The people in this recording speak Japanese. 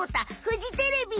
フジテレビ！